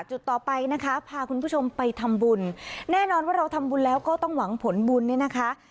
จุดต่อไปนะคะพาคุณผู้ชมไปทำบุญแน่นอนว่าเราทำบุญแล้วก็ต้องหวังผลบุญเนี่ยนะคะ